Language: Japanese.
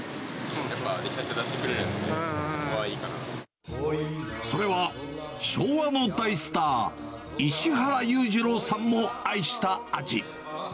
やっぱり出来たてを出してくそれは昭和の大スター、石原裕次郎さんも愛した味。